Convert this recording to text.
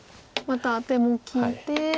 またアテも利いて。